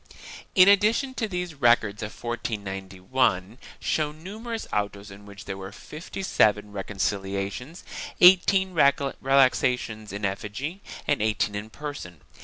In addition to these the records of 1491 show numerous autos in which there were fifty seven reconciliations, eighteen relaxations in effigy and eighteen in person.